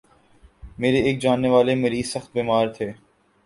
میرے ایک جاننے والے مریض سخت بیمار تھے